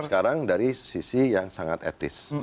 sekarang dari sisi yang sangat etis